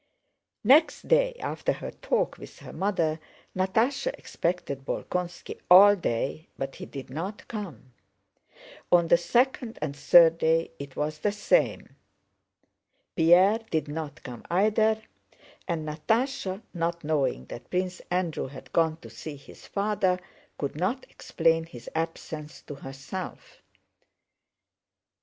Next day after her talk with her mother Natásha expected Bolkónski all day, but he did not come. On the second and third day it was the same. Pierre did not come either and Natásha, not knowing that Prince Andrew had gone to see his father, could not explain his absence to herself.